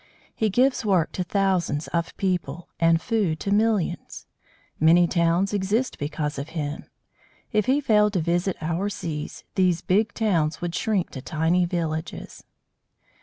He gives work to thousands of people, and food to millions. Many towns exist because of him; if he failed to visit our seas, these big towns would shrink to tiny villages.